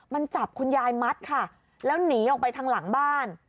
มันจับคุณยายมัดค่ะแล้วหนีออกไปทางหลังบ้าน